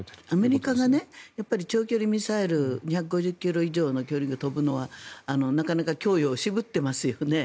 アメリカが長距離ミサイル２５０ｋｍ以上の距離を飛ぶのはなかなか供与を渋ってますよね。